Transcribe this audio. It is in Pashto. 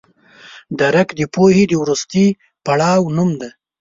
درک د پوهې د وروستي پړاو نوم دی.